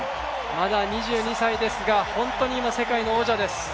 まだ２２歳ですが、本当に今、世界の王者です。